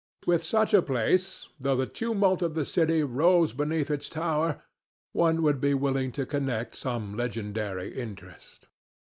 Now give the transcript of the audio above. With such a place, though the tumult of the city rolls beneath its tower, one would be willing to connect some legendary interest.